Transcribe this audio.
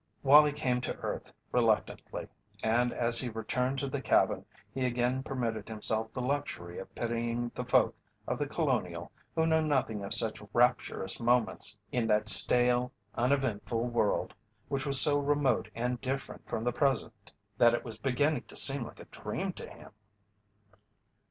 Wallie came to earth reluctantly, and as he returned to the cabin he again permitted himself the luxury of pitying the folk of The Colonial who knew nothing of such rapturous moments in that stale, uneventful world which was so remote and different from the present that it was beginning to seem like a dream to him.